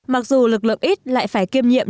mặc dù lực lượng ít lại phải kiêm nhiệm